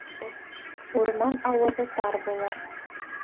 Урман ауыҙы тар булыр